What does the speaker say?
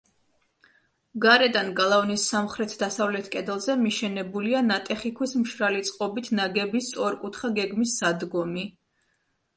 გარედან, გალავნის სამხრეთ-დასავლეთ კედელზე, მიშენებულია ნატეხი ქვის მშრალი წყობით ნაგები, სწორკუთხა გეგმის სადგომი.